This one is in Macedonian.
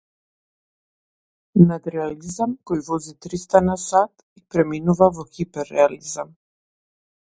Надреализам кој вози триста на сат и преминува во хипер-реализам!